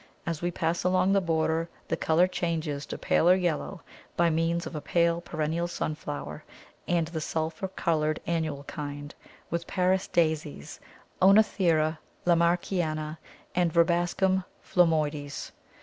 As we pass along the border the colour changes to paler yellow by means of a pale perennial Sunflower and the sulphur coloured annual kind, with Paris Daisies, Oenothera Lamarkiana and Verbascum phlomoides.